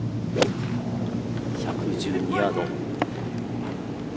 １１２ヤード。